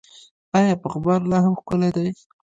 آیا پغمان لا هم ښکلی دی؟